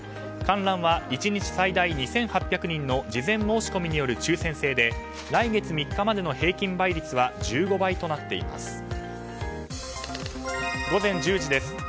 観覧は１日最大２８００人の事前申し込みによる抽選制で来月３日までの平均倍率は１５倍となっています。